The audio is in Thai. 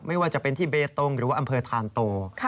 ไม่ว่าจะเป็นที่เบตงหรือว่าอำเภอทานโต